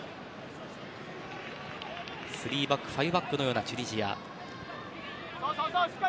３バック、５バックのようなチュニジア。